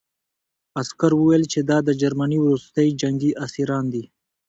عسکر وویل چې دا د جرمني وروستي جنګي اسیران دي